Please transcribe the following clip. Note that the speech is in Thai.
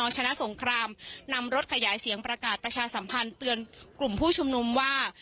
ชนะสงครามนำรถขยายเสียงประกาศประชาสัมพันธ์เตือนกลุ่มผู้ชุมนุมว่า